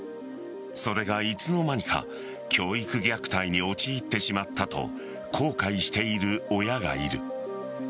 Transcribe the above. それが、いつの間にか教育虐待に陥ってしまったと後悔している親がいる。